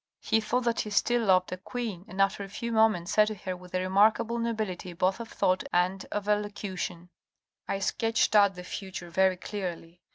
He thought that he still loved a queen, and after a few moments said to her with a remarkable nobility both of thought and of elocution, " I sketched out the future very clearly.